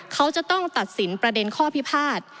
เขาจะต้องตัดสินประเด็นข้อพิพาท